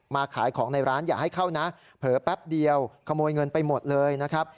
ขายของในร้านอย่าให้เข้านะเผลอแป๊บเดียวขโมยเงินไปหมดเลยนะครับ